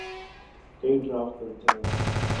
کئی ڈرافٹ بنتے ہیں۔